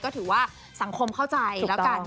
ก็ถือว่าสังคมเข้าใจแล้วกัน